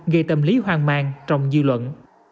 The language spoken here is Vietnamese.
gây tâm lý hoang mang trong dư luận